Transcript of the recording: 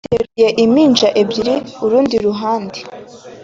Ateruye impinja ebyiri urundi ku ruhande